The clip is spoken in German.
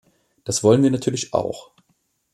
Das wollen wir natürlich auch.